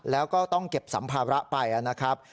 แล้วก็ต้องเก็บสัมภาระไปนะครับ